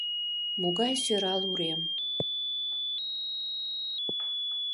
Могай сӧрал урем!